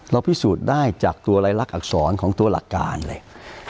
พิสูจน์ได้จากตัวรายลักษรของตัวหลักการเลย